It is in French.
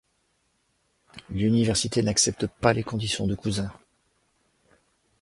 L'université n'accepte pas les conditions de Cousins.